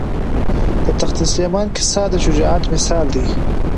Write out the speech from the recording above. د تخت سلیمان کیسه د شجاعت مثال ده.